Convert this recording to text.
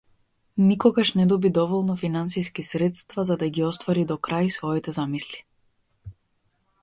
Никогаш не доби доволно финансиски средства за да ги оствари до крај своите замисли.